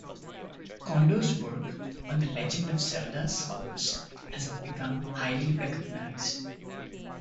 Kondo's work on "The Legend of Zelda" scores has also become highly recognized.